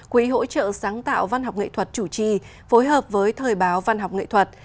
quỹ hỗ trợ sáng tạo văn học nghệ thuật chủ trì phối hợp với thời báo văn học nghệ thuật